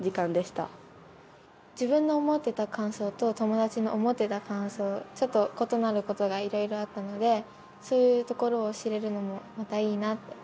自分の思っていた感想と友達の思っていた感想ちょっと異なることがいろいろあったのでそういうところを知れるのもまたいいなって思いました。